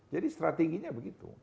nah tingginya begitu